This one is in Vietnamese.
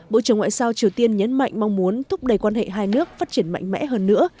bộ trưởng ngoại giao triều tiên nhấn mạnh mong muốn thúc đẩy quan hệ hai nước phát triển mạnh mẽ hơn nữa